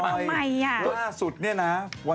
ข้าวใส่ข้าว